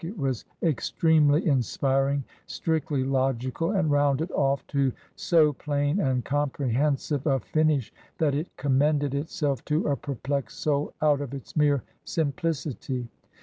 It was ex tremely inspiring, strictly logical, and rounded off to so plain and comprehensive a finish that it commended itself to a perplexed soul out of its mere simplicity.